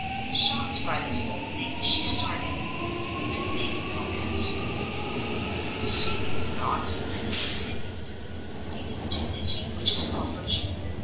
Shocked by this opening, she started, but could make no answer. "See you not," he continued, "the indignity which is offered you?